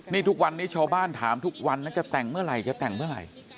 นี่ทุกวันนี้ชาวบ้านถามทุกวันนะจะแต่งเมื่อไหร่จะแต่งเมื่อไหร่